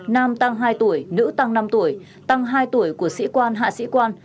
nam tăng hai tuổi nữ tăng năm tuổi tăng hai tuổi của sĩ quan hạ sĩ quan